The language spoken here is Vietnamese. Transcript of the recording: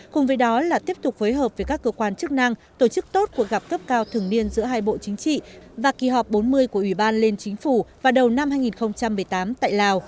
cùng với đó là tiếp tục phối hợp với các cơ quan chức năng tổ chức tốt cuộc gặp cấp cao thường niên giữa hai bộ chính trị và kỳ họp bốn mươi của ủy ban liên chính phủ vào đầu năm hai nghìn một mươi tám tại lào